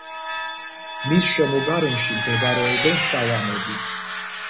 მის შემოგარენში მდებარეობენ სავანები.